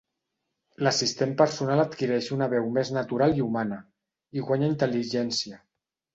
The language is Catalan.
L'assistent personal adquireix una veu més natural i humana, i guanya intel·ligència.